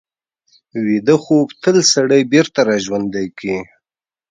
ویده خوب تل سړی بېرته راژوندي کوي